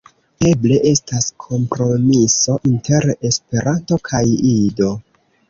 Eble estas kompromiso inter Esperanto kaj Ido.